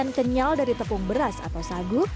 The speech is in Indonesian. ini memadukan isian kenyal dari tepung beras atau sagu